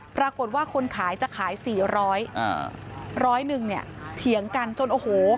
ปรากฏว่าคนขายจะขายสี่ร้อยอ่าร้อยร้อยหนึ่งเนี่ยเถียงกันจนโอ้โห